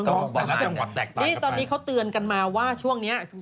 นี่ตอนนี้เขาเตือนกันมาว่าช่วงนี้